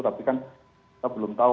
tapi kan kita belum tahu